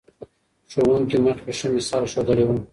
ښوونکي مخکې ښه مثال ښودلی و.